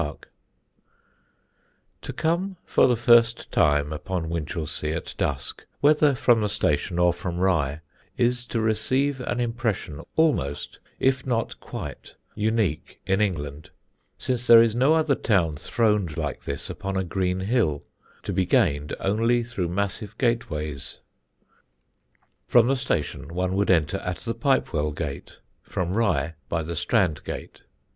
_] [Sidenote: APPROACH AT DUSK] To come for the first time upon Winchelsea at dusk, whether from the station or from Rye, is to receive an impression almost if not quite unique in England; since there is no other town throned like this upon a green hill, to be gained only through massive gateways. From the station one would enter at the Pipewell Gate; from Rye, by the Strand Gate.